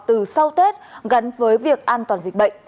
từ sau tết gắn với việc an toàn dịch bệnh